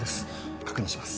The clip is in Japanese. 確認します。